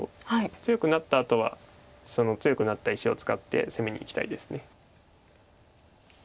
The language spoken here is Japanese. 強くなったあとはその強くなった石を使って攻めにいきたいです。